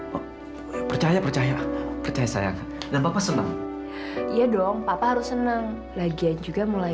lebih aku percaya percaya percaya sayang dan papa senang iya dong papa harus senang lagian juga mulai